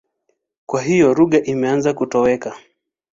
Kwa hiyo lugha imeanza kutoweka.